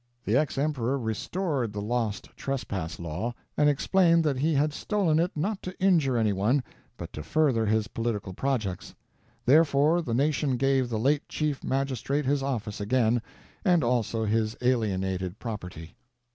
The ex emperor restored the lost trespass law, and explained that he had stolen it not to injure any one, but to further his political projects. Therefore the nation gave the late chief magistrate his office again, and also his alienated Property.